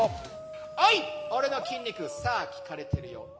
おい、俺の筋肉、さあ聞かれてるよ。